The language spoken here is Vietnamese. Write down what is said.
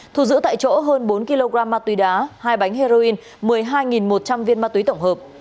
thu giữ tại chỗ hơn bốn kg ma túy đá hai bánh heroin một mươi hai một trăm linh viên ma túy tổng hợp